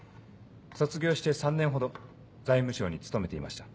卒業して３年ほど財務省に勤めていました。